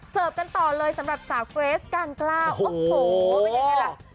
เสิร์ฟกันต่อเลยสำหรับสาวเกรสกานกล้าวโอ้โหเป็นอย่างไรล่ะ